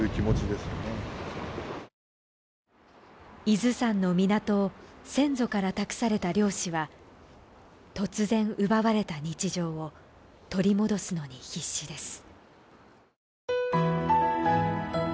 伊豆山の港を先祖から託された漁師は突然奪われた日常を取り戻すのに必死です。